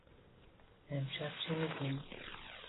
امشب چه می کنی؟